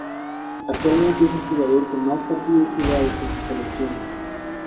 Actualmente es el jugador con más partidos jugados con su selección.